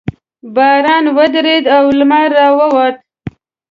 باران ودرېد او لمر راووت.